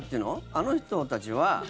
あの人たちは。